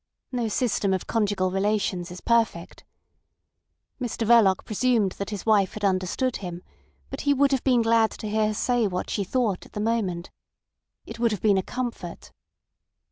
No system of conjugal relations is perfect. Mr Verloc presumed that his wife had understood him, but he would have been glad to hear her say what she thought at the moment. It would have been a comfort.